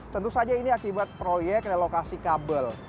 tentu saja ini akibat proyek relokasi kabel